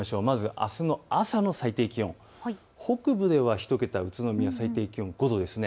あすの朝の最低気温、北部では１桁、宇都宮、最低気温５度です。